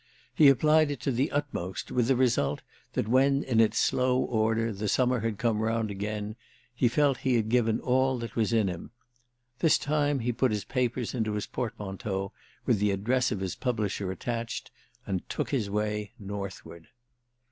He applied it to the utmost, with the result that when in its slow order the summer had come round again he felt he had given all that was in him. This time he put his papers into his portmanteau, with the address of his publisher attached, and took his way northward.